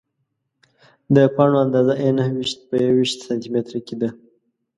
د پاڼو اندازه یې نهه ویشت په یوویشت سانتي متره کې ده.